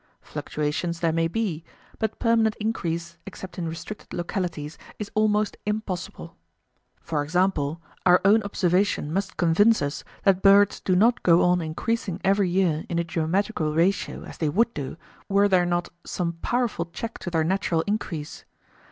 Fluctuations there may be; but permanent increase, except in restricted localities, is almost impossible. For example, our own observation must convince us that birds do not go on increasing every year in a geometrical ratio, as they would do, were there not [[p. 55]] some powerful check to their natural increase.